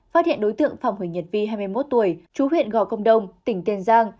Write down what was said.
phát hiện đối tượng phạm huỳnh nhật vi hai mươi một tuổi chú huyện gò công đông tỉnh tiền giang